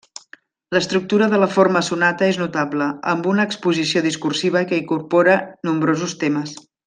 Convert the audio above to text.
L'estructura de la forma sonata és notable, amb una exposició discursiva que incorpora nombrosos temes.